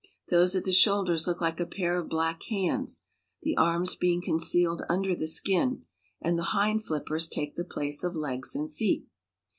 Those at the shoulders look like a pair of black hands, the arms being concealed under the skin, and the hind flippers take the place of legs and feet.